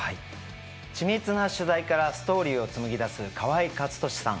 緻密な取材からストーリーを紡ぎだす河合克敏さん。